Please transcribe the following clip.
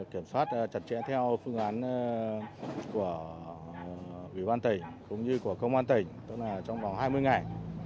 kiểm soát chặt chẽ theo phương án của ủy ban tỉnh cũng như của công an tỉnh tức là trong vòng hai mươi ngày